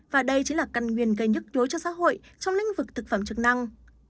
và đây chính là căn nguyên gây nhức nhối cho xã hội trong lĩnh vực thực phẩm chức năng